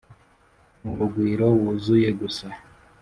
N'urugwiro wuzuye gusa